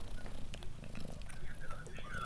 Su primer contador en jefe fue George Watson.